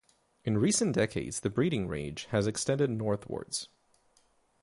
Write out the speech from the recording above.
In recent decades the breeding range has extended northwards.